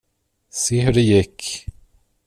Se hur det gick!